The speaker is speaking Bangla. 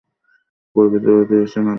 গর্বিত দাদি আসছে নাতির কাল বিয়ে হচ্ছে।